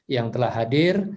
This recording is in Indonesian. yang telah hadir